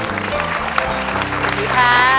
สวัสดีค่ะ